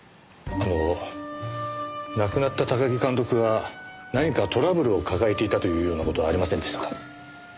あの亡くなった高木監督が何かトラブルを抱えていたというような事はありませんでしたか？